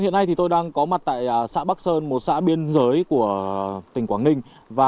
hiện nay tôi đang có mặt tại xã bắc sơn một xã biên giới của tỉnh quảng ninh